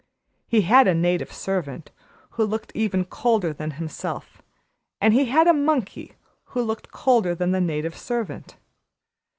He had a native servant who looked even colder than himself, and he had a monkey who looked colder than the native servant.